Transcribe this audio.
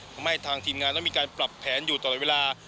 ทำให้ทางทีมงานนั้นมีการปรับแผนอยู่ตลอดเวลา